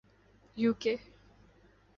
you کے